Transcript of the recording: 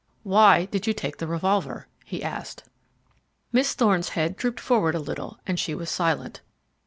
"Why did you take the revolver?" he asked. Miss Thorne's head drooped forward a little, and she was silent.